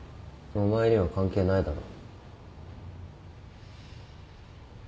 お前には関係ないだろ。